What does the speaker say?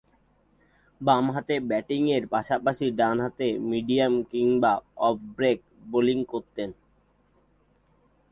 বামহাতে ব্যাটিংয়ের পাশাপাশি ডানহাতে মিডিয়াম কিংবা অফ ব্রেক বোলিং করতেন।